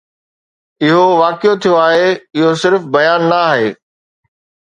اهو واقعي ٿيو آهي، اهو صرف بيان نه آهي.